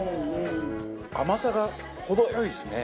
甘さが程よいですね。